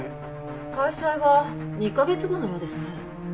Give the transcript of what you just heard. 開催は２カ月後のようですね。